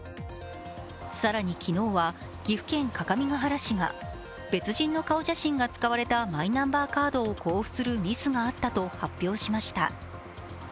更に昨日は岐阜県各務原市が別人の顔写真が使われたマイナンバーカードを交付するミスがあったと発表しました。